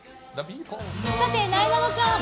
さて、なえなのちゃん。